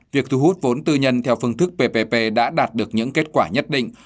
việc thu hút vốn tư nhân theo phương thức ppp đã đạt được những kết quả nhất định